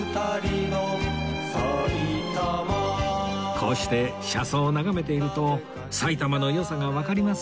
こうして車窓を眺めていると埼玉の良さがわかります